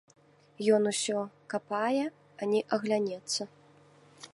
Ён усё капае, ані аглянецца.